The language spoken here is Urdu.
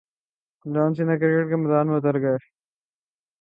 جان سینا کرکٹ کے میدان میں اتر گئے